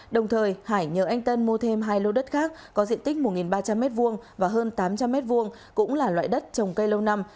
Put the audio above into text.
đồng thời hải nhờ anh tân mua thêm hai lô đất khác có diện tích một ba trăm linh m hai và hơn tám trăm linh m hai cũng là loại đất trồng cây lâu năm